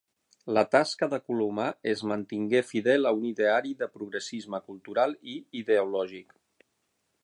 La tasca de Colomar es mantingué fidel a un ideari de progressisme cultural i ideològic.